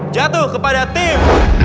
jatuh kepada tim